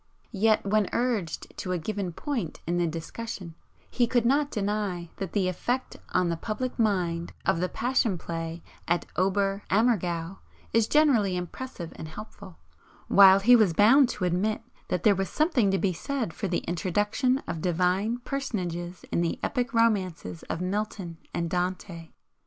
Yet, when urged to a given point in the discussion, he could not deny that 'the effect on the public mind' of the Passion Play at Ober Ammergau is generally impressive and helpful, while he was bound to admit that there was something to be said for the introduction of Divine personages in the epic romances of Milton and Dante.